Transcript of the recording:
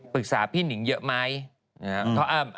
ปรึกษาพี่หนิงเยอะไหม